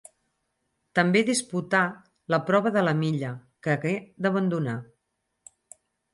També disputà la prova de la milla, que hagué d'abandonar.